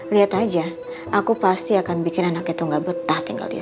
lihat aja aku pasti akan bikin anak itu gak betah tinggal di sana